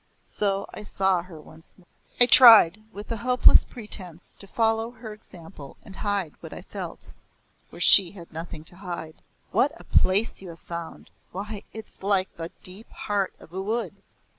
So I saw her once more. I tried, with a hopeless pretence, to follow her example and hide what I felt, where she had nothing to hide. "What a place you have found. Why, it's like the deep heart of a wood!"